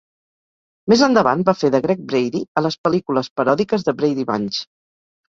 Més endavant va fer de Greg Brady a les pel·lícules paròdiques de Brady Bunch.